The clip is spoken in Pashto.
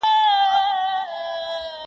• قاسمیار په زنځیر بند تړلی خوښ یم ,